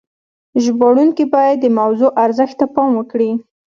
ژباړونکي باید د موضوع ارزښت ته پام وکړي.